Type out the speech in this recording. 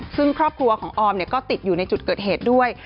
ซึ่งครอบครัวของออมก็ติดอยู่ในจุดเกิดเหตุด้วย